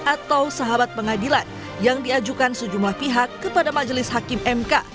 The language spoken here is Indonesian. atau sahabat pengadilan yang diajukan sejumlah pihak kepada majelis hakim mk